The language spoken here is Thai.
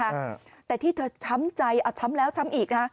แน่นอนนะคะแต่ที่เธอช้ำใจช้ำแล้วช้ำอีก